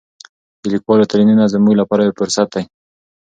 د لیکوالو تلینونه زموږ لپاره یو فرصت دی.